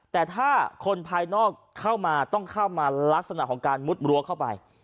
แต่ถ้าคนภายนอกเข้ามาต้องเข้ามาลักษณะของการมุดรั้วเข้าไป